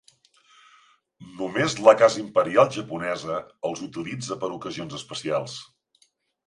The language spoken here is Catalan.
Només la Casa Imperial Japonesa, els utilitza per ocasions especials.